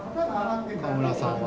川村さんは？